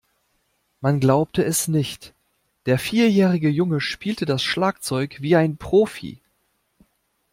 Man glaubte es nicht, der vierjährige Junge spiele das Schlagzeug wie ein Profi.